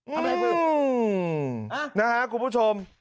อืมนะฮะคุณผู้ชม